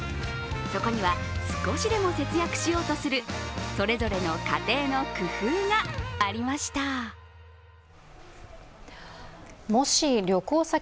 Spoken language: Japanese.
そこには、少しでも節約しようとするそれぞれの家庭の工夫がありました。